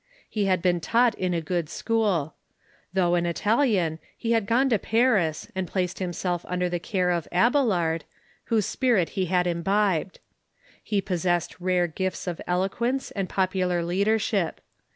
He had been taught in a good school. Though an ARNOLD OF BRESCIA 151 Italian, lie bad gone to Paris, and placed himself under the care of Abelard, whose spirit he had imbibed. He possessed rare gifts of eloquence and popular leadership.